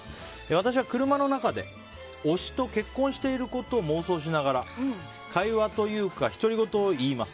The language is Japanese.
私は車の中で推しと結婚していることを妄想しながら会話というか独り言を言います。